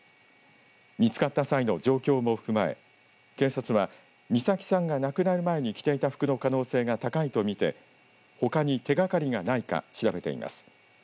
見つかった際の状況も踏まえ警察は美咲さんが亡くなる前に着ていた服の可能性が高いとみてほかに手がかりがないか調べています。